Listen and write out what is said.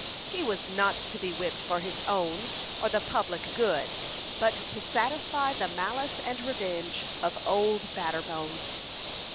He was not to be whipped for his own or the public good, but to satisfy the malice and revenge of "Old Batterbones."